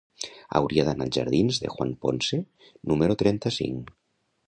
Hauria d'anar als jardins de Juan Ponce número trenta-cinc.